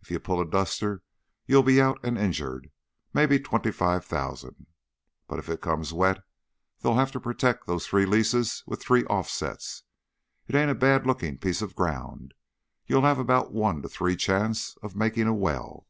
If you pull a duster, you'll be out and injured, maybe twenty five thousand, but if it comes wet they'll have to protect those three leases with three offsets. It ain't a bad looking piece of ground; you'll have about a one to three chance of making a well."